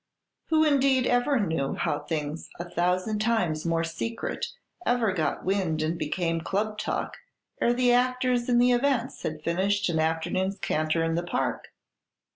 Who, indeed, ever knew how things a thousand times more secret ever got wind and became club talk ere the actors in the events had finished an afternoon's canter in the Park?